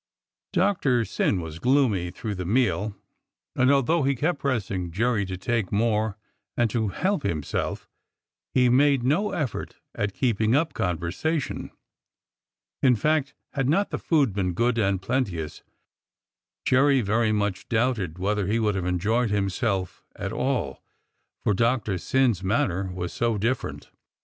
Doctor Syn was gloomy through the meal, and al though he kept pressing Jerry to "take more" and to "help himself," he made no effort at keeping up con versation; in fact, had not the food been good and plenteous, Jerry very much doubted whether he would have enjoyed himself at all, for Doctor Syn's manner was so different.